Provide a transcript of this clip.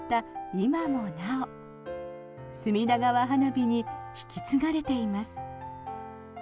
今もなお隅田川花火に引き継がれています。